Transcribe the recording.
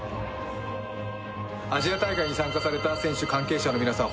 アジア大会に参加された選手、関係者の皆さん